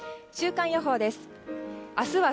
週間予報です。